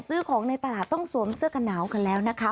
ซื้อของในตลาดต้องสวมเสื้อกันหนาวกันแล้วนะคะ